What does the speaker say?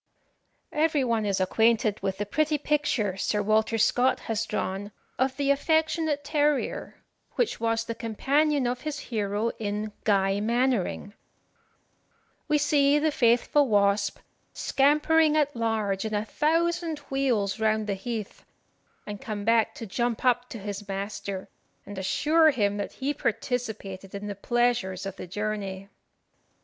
Every one is acquainted with the pretty picture Sir Walter Scott has drawn of the affectionate terrier, which was the companion of his hero in "Guy Mannering." We see the faithful Wasp "scampering at large in a thousand wheels round the heath, and come back to jump up to his master, and assure him that he participated in the pleasures of the journey."